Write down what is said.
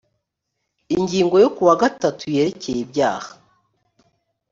ingingo yo ku wa gatatu yerekeye ibyaha